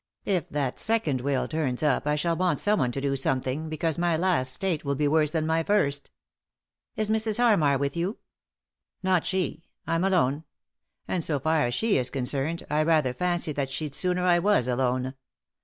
If that second will turns up I shall want someone to do something, because my last state will be worse than my first." " Is Mrs. Hannar with you ?"" Not she ; I'm alone ; and, so far as she is con cerned, I rather fancy that she'd sooner I was alone.